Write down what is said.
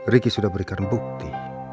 ricky sudah berikan bukti